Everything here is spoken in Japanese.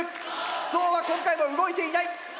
ゾウは今回も動いていない！